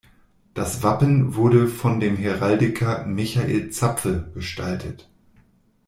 Das Wappen wurde von dem Heraldiker "Michael Zapfe" gestaltet.